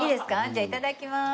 じゃあいただきます。